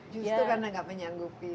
justu karena nggak menyanggupi